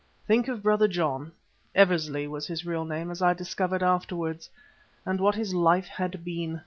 Think of Brother John (Eversley was his real name as I discovered afterwards), and what his life had been.